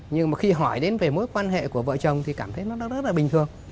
nhưng mà khi hỏi đến về mối quan hệ của vợ chồng thì cảm thấy nó rất là bình thường